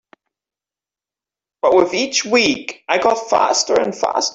But with each week I got faster and faster.